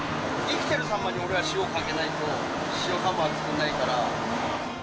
生きてるサンマに、俺は塩かけないと塩サンマは作んないから。